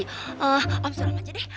eh om sulam aja deh